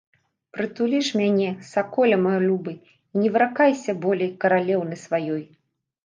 Прытулі ж мяне, саколе мой любы, і не выракайся болей каралеўны сваёй!